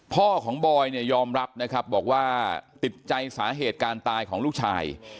พ่อของบอยเนี่ยยอมรับนะครับบอกว่าติดใจสาเหตุการตายของลูกชาย